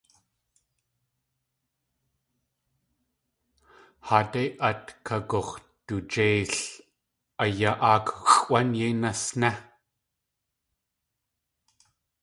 Haadéi at kagax̲dujéil, a ya.áak xʼwán yéi nasné!